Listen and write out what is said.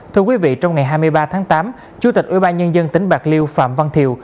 thưa quý vị trong ngày hai mươi ba tháng tám chủ tịch ủy ban nhân dân tỉnh bạc liêu phạm văn thiều